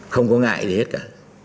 không có ngại gì hết cả